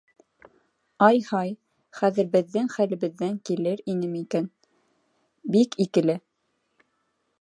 Ай-һай, хәҙер беҙҙең хәлебеҙҙән килер инеме икән — бик икеле.